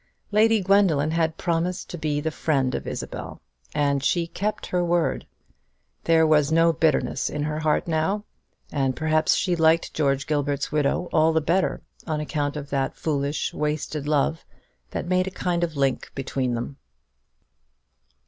Lady Gwendoline had promised to be the friend of Isabel; and she kept her word. There was no bitterness in her heart now; and perhaps she liked George Gilbert's widow all the better on account of that foolish wasted love that made a kind of link between them.